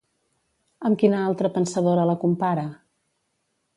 Amb quina altra pensadora la compara?